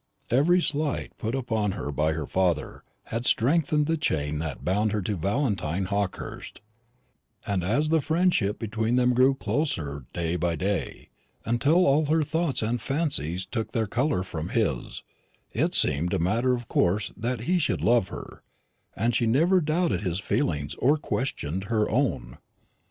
Every slight put upon her by her father had strengthened the chain that bound her to Valentine Hawkehurst; and as the friendship between them grew closer day by day, until all her thoughts and fancies took their colour from his, it seemed a matter of course that he should love her, and she never doubted his feelings or questioned her own.